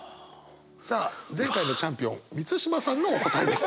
さあ前回のチャンピオン満島さんのお答えです。